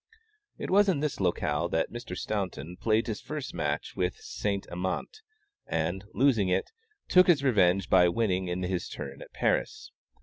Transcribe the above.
It was in this locale that Mr. Staunton played his first match with Saint Amant, and, losing it, took his revenge by winning in his turn at Paris.